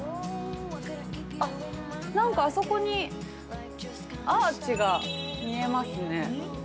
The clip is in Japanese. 何かあそこにアーチが見えますね。